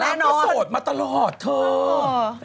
นางก็โสดมาตลอดเถอะ